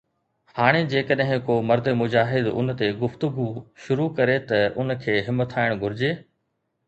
هاڻي جيڪڏهن ڪو مرد مجاهد ان تي ”گفتگو“ شروع ڪري ته ان کي همٿائڻ گهرجي؟